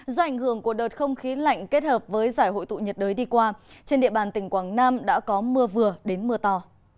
do ảnh hưởng của đợt không khí lạnh kết hợp với giải hội tụ nhiệt đới đi qua trên địa bàn tỉnh quảng nam đã có mưa vừa đến mưa to